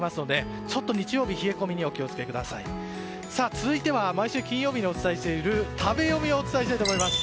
続いては毎週金曜日にお伝えしている食べヨミをお伝えしたいと思います。